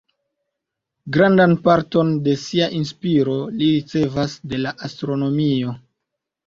Grandan parton de sia inspiro li ricevas de la astronomio.